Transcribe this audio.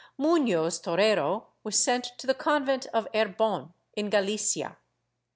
Munoz Torrero was sent to the convent of Erbon, in Galicia.